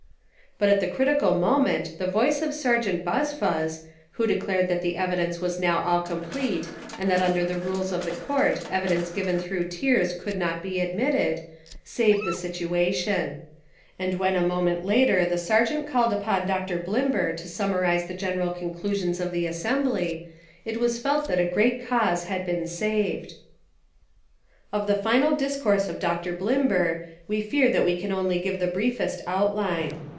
But at the critical moment the voice of Ser geant Buzfuz, who declared that the evidence was now all complete and that under the rules of the court evidence given through tears could not be admitted, saved the situation. And when a moment later the Sergeant called upon Dr. Blimber to summarise the general conclu 228 Fiction and Reality sions of the assembly, It was felt that a great cause had been saved. Of the final discourse of Dr. Bllmber we fear that we can only give the briefest outline.